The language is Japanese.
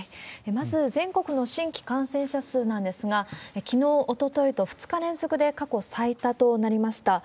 まず、全国の新規感染者数なんですが、きのう、おとといと２日連続で過去最多となりました。